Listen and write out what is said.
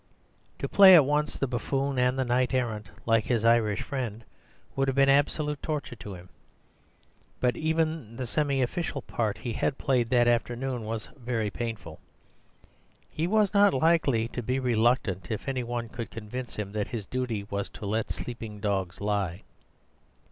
To play at once the buffoon and the knight errant, like his Irish friend, would have been absolute torture to him; but even the semi official part he had played that afternoon was very painful. He was not likely to be reluctant if any one could convince him that his duty was to let sleeping dogs lie.